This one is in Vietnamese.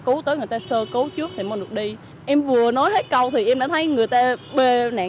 cứu tới người ta sơ cứu trước thì mình được đi em vừa nói hết câu thì em đã thấy người ta bê nạn